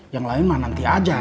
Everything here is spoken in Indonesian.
yang lain mah nanti aja